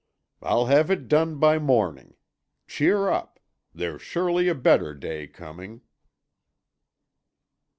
I'll have it done by morning. Cheer up! There's surely a better day coming."